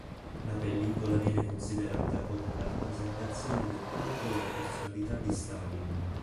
La pellicola viene considerata come una rappresentazione del culto della personalità di Stalin.